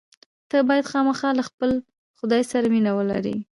ته باید خامخا له خپل خدای سره مینه ولرې.